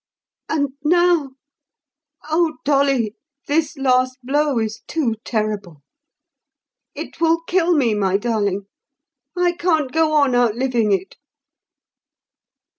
And now—oh, Dolly, this last blow is too terrible. It will kill me, my darling. I can't go on outliving it."